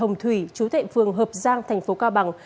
hồng thủy chú thệ phường hợp giang thành phố cao bằng